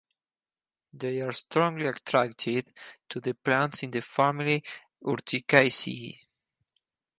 They are strongly attracted to the plants in the family Urticaceae.